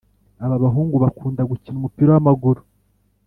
Ababahungu bakunda gukina umupira wamaguru